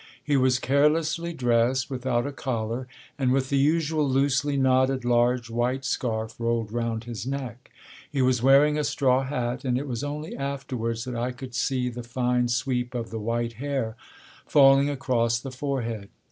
He was carelessly dressed, without a collar, and with the usual loosely knotted large white scarf rolled round his neck. He was wearing a straw hat, and it was only afterwards that I could see the fine sweep of the white hair, falling across the forehead.